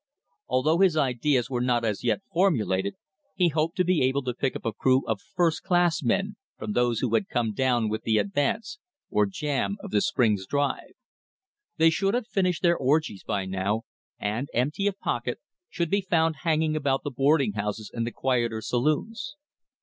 Although his ideas were not as yet formulated, he hoped to be able to pick up a crew of first class men from those who had come down with the advance, or "jam," of the spring's drive. They should have finished their orgies by now, and, empty of pocket, should be found hanging about the boarding houses and the quieter saloons.